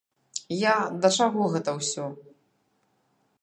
Я да чаго гэта ўсё?